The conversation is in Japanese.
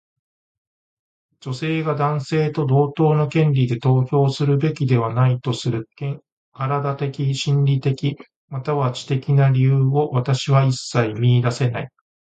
女性が男性と同等の権利で投票するべきではないとする身体的、心理的、または知的な理由を私は一切見いだせない。